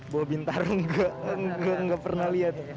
buah bintaro nggak pernah lihat